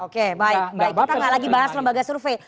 oke baik kita enggak lagi bahas lembaga survei